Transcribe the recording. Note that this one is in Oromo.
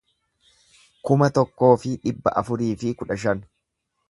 kuma tokkoo fi dhibba afurii fi kudha shan